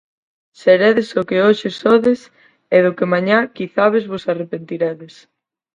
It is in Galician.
Seredes o que hoxe sodes e do que mañá quizabes vos arrepentiredes.